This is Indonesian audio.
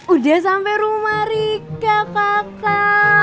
udah sampai rumah rika kakak